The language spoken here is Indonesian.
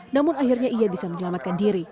namun akhirnya ia bisa menyelamatkan diri